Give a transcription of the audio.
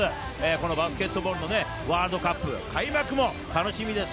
このバスケットボールもね、ワールドカップ開幕も楽しみです。